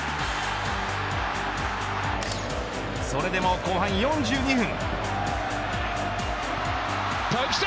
それでも後半４２分。